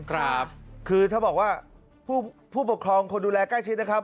ครับคือถ้าบอกว่าผู้ปกครองคนดูแลใกล้ชิดนะครับ